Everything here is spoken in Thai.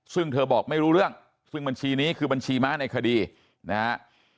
ซึ่งเธอบอกไม่รู้เรื่องซึ่งบัญชีนี้คือบัญชีม้าในคดีนะฮะ